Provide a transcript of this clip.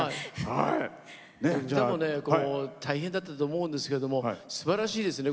歌も大変だったと思うんですけどすばらしいですね